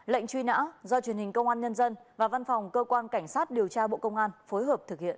lệnh truy nã do truyền hình công an nhân dân và văn phòng cơ quan cảnh sát điều tra bộ công an phối hợp thực hiện